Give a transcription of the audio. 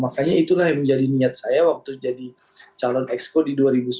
makanya itulah yang menjadi niat saya waktu jadi calon exco di dua ribu sembilan belas